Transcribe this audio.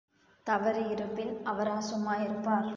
தவறு இருப்பின், அவரா சும்மா இருப்பார்?